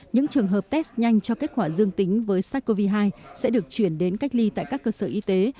những trường hợp test nhanh cho kết quả dương tính với sars cov hai sẽ được chuyển đến cách ly tại các cơ sở y tế